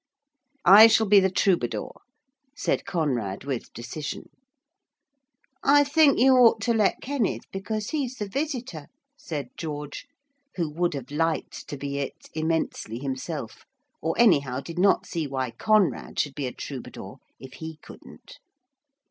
'I shall be the Troubadour,' said Conrad with decision. 'I think you ought to let Kenneth because he's the visitor,' said George, who would have liked to be it immensely himself, or anyhow did not see why Conrad should be a troubadour if he couldn't.